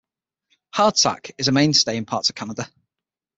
Hardtack is a mainstay in parts of Canada.